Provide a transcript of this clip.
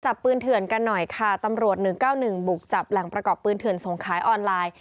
จับปืนเถื่อนกันหน่อยค่ะตำรวจ๑๙๑บุกจับแหล่งประกอบปืนเถื่อนส่งขายออนไลน์